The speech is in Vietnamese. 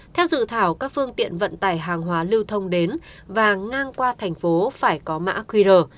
theo dự thảo các phương tiện vận tải hàng hóa lưu thông đến và ngang qua thành phố phải có mã qr